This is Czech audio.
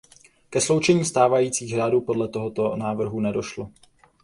Ke sloučení stávajících řádů podle tohoto návrhu nedošlo.